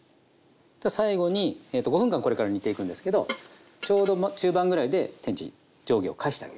最後にえと５分間これから煮ていくんですけどちょうど中盤ぐらいで天地上下を返してあげるという。